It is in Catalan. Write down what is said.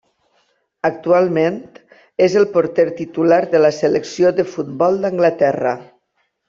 Actualment és el porter titular de la selecció de futbol d'Anglaterra.